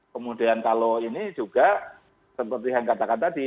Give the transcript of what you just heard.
kemudian kalau ini juga seperti yang katakan tadi